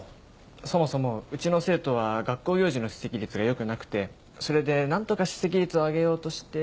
そもそもうちの生徒は学校行事の出席率が良くなくてそれで何とか出席率を上げようとして。